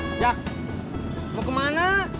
ojak mau ke mana